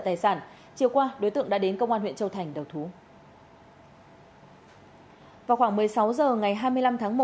tài sản chiều qua đối tượng đã đến công an huyện châu thành đầu thú vào khoảng một mươi sáu h ngày hai mươi năm tháng một